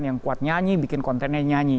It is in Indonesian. yang kuat nyanyi bikin kontennya nyanyi